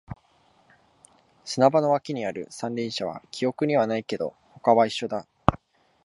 砂場の脇にある三輪車は記憶にはないけど、他は一緒だ